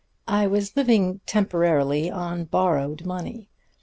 I was living temporarily on borrowed money.